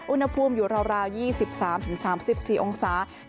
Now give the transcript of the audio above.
อุณหภูมิอยู่ราว๒๓๓๔องศา